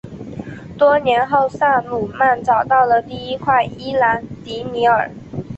多年后萨鲁曼找到了第一块伊兰迪米尔。